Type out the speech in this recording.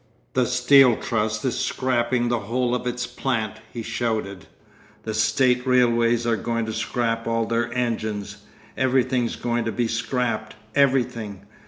'The Steel Trust is scrapping the whole of its plant,' he shouted. 'The State Railways are going to scrap all their engines. Everything's going to be scrapped—everything.